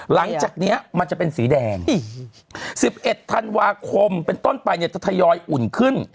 หลังจากนี้มันจะเป็นสีแดง๑๑ธันวาคมเป็นต้นไปเนี่ยจะทยอยอุ่นขึ้น